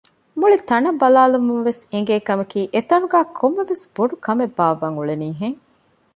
މުޅި ތަނަށް ބަލާލަުމުންވެސް އެނގޭ ކަމަކީ އެތަނުގައި ކޮންމެވެސް ބޮޑުކަމެއް ބާއްވަން އުޅެނީ ހެން